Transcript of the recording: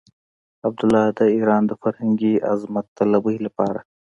عبدالله د ايران د فرهنګي عظمت طلبۍ لپاره.